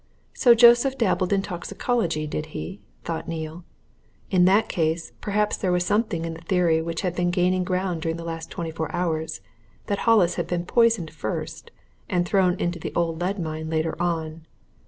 So Joseph dabbled in toxicology, did he? thought Neale in that case, perhaps, there was something in the theory which had been gaining ground during the last twenty four hours that Hollis had been poisoned first and thrown into the old lead mine later on.